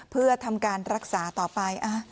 เพื่อทำการรักษาต่อไป